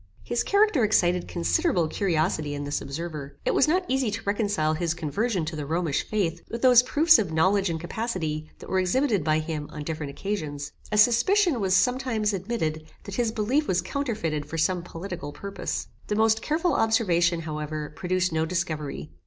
His character excited considerable curiosity in this observer. It was not easy to reconcile his conversion to the Romish faith, with those proofs of knowledge and capacity that were exhibited by him on different occasions. A suspicion was, sometimes, admitted, that his belief was counterfeited for some political purpose. The most careful observation, however, produced no discovery.